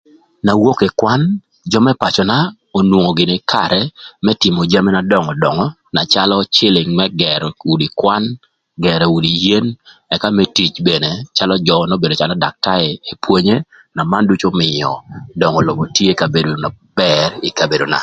Na wok ï kwan, jö më pacöna onwongo gïnï karë më tïmö jami na döngödöngö na calö cïlïng më gërö udi kwan, gërö udi yen ëka më tic thon calö jö n'obedo calö daktae, epwonye na man ducu ömïö döngö lobo tye kabedo na bër ï kabedona.